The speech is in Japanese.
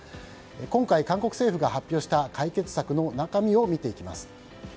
今回、韓国政府が発表した解決策の中身を見ていきます。